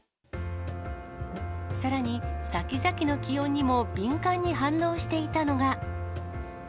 さらに、先々の気温にも敏感に反応していたのが。